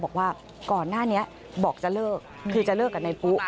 บอกว่าก่อนหน้านี้บอกจะเลิกคือจะเลิกกับนายปุ๊